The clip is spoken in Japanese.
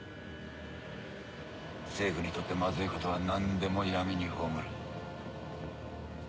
政府にとってマズいことは何でも闇に葬る。